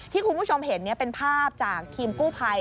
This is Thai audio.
ที่คุณผู้ชมเห็นเป็นภาพจากทีมกู้ภัย